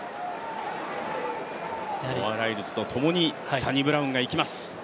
ノア・ライルズとともにサニブラウンがいきます。